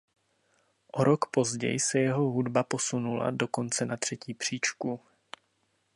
O rok později se jeho hudba posunula dokonce na třetí příčku.